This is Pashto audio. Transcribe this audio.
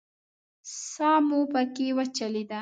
ساه مو پکې وچلېده.